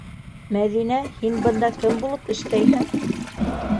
Мәҙинә, һин бында кем булып эштәйһең?